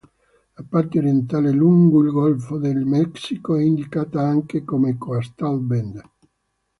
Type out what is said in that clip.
La parte orientale lungo il golfo del Messico è indicata anche come Coastal Bend.